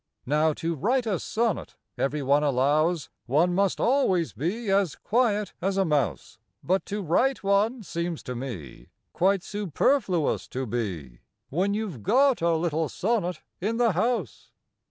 Now, to write a sonnet, every one allows, One must always be as quiet as a mouse; But to write one seems to me Quite superfluous to be, When you 've got a little sonnet in the house.